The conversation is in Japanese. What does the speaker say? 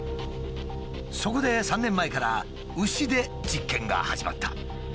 そこで３年前から牛で実験が始まった。